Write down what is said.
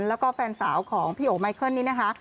แล้วก็แฟนสาวของพี่โอไมเคิลนี้นะคะ